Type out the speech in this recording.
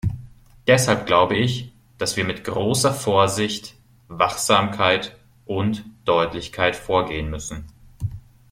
Deshalb glaube ich, dass wir mit großer Vorsicht, Wachsamkeit und Deutlichkeit vorgehen müssen.